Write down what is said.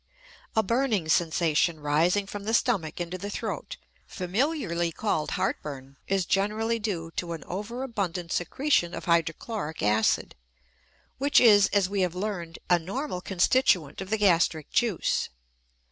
A burning sensation rising from the stomach into the throat, familiarly called heartburn, is generally due to an overabundant secretion of hydrochloric acid, which is, as we have learned, a normal constituent of the gastric juice.